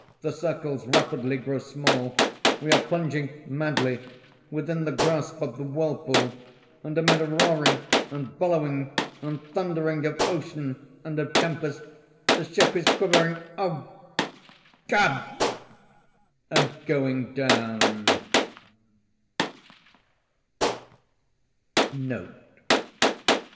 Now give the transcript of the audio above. The circles rapidly grow small—we are plunging madly within the grasp of the whirlpool—and amid a roaring, and bellowing, and thundering of ocean and of tempest, the ship is quivering—oh God! and—going down.